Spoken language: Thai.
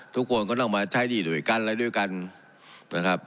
ทุกคนก็ต้องมาใช้หนี้ด้วยกันอะไรด้วยกันนะครับ